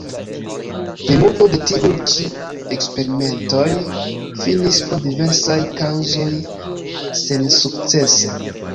Plimulto de tiuj ĉi eksperimentoj finis pro diversaj kaŭzoj sensukcese.